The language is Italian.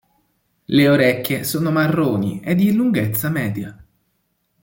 Le orecchie sono marroni e di lunghezza media.